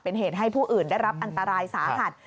เป็นเหตุให้ผู้อื่นได้รับอันตรายสาหัส